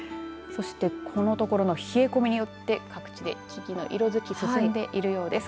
そして、このところの冷え込みによって各地で木々の色づき進んでいるようです。